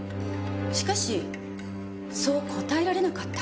しかしそう答えられなかった。